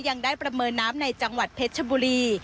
ยังได้ประเมินน้ำในจังหวัดเพชรชบุรี